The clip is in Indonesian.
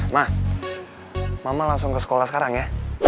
nah mama langsung ke sekolah sekarang ya